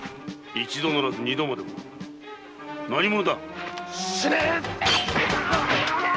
一度ならず二度までも何者だ